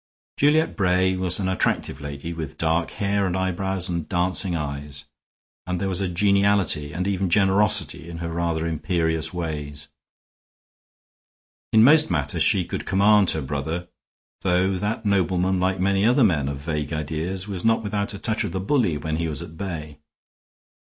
Juliet Bray was an attractive lady with dark hair and eyebrows and dancing eyes, and there was a geniality and even generosity in her rather imperious ways. In most matters she could command her brother, though that nobleman, like many other men of vague ideas, was not without a touch of the bully when he was at bay.